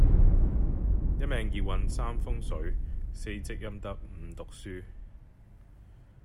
一命二運三風水四積陰德五讀書